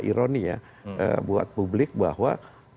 ironi ya buat publik bahwa